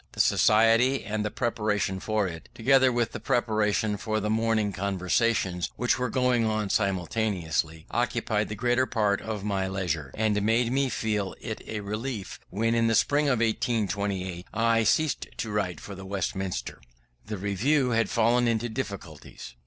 The Society, and the preparation for it, together with the preparation for the morning conversations which were going on simultaneously, occupied the greater part of my leisure; and made me feel it a relief when, in the spring of 1828, I ceased to write for the Westminster. The Review had fallen into difficulties.